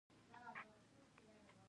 هغه هغې ته د موزون بام ګلان ډالۍ هم کړل.